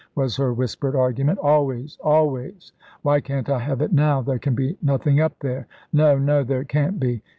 was her whispered argument "always always; why can't I have it now? There can be nothing up there; no, no there can't be.